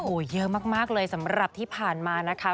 โอ้โหเยอะมากเลยสำหรับที่ผ่านมานะคะ